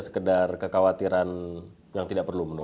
sekedar kekhawatiran yang tidak perlu